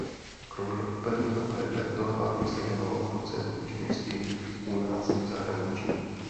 Kromě operního repertoáru se věnoval koncertní činnosti u nás i v zahraničí.